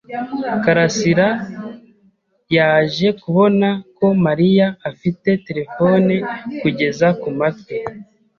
Karasirayaje kubona ko Mariya afite terefone kugeza kumatwi.